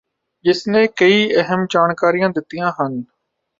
ਜਿਸਨੇ ਕਈ ਅਹਿਮ ਜਾਣਕਾਰੀਆਂ ਦਿਤੀਆਂ ਹਨ